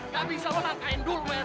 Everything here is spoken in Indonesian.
gak bisa lu langkahin dulu ya